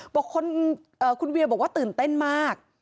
ของคนหือเอ่อคุณเวียบอกว่าตื่นเต้นมาก